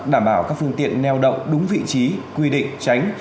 đảm bảo các phương tiện neo đậu đúng vị trí quy định tránh